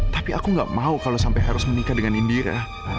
tapi aku gak mau kalau sampai harus menikah dengan indira